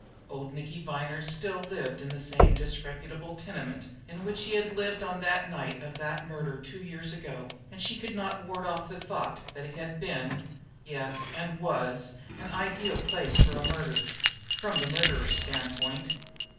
Old Nicky Viner still lived in the same disreputable tenement in which he had lived on the night of that murder two years ago, and she could not ward off the thought that it had been yes, and was an ideal place for a murder, from the murderer's standpoint!